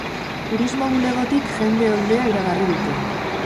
Turismo bulegotik jende oldea iragarri dute.